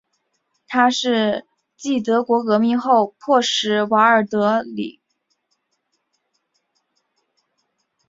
它是继德国革命后迫使瓦尔德克的弗里德里希王子连同其他德意志邦国君主退位。